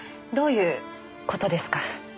どういう事ですか？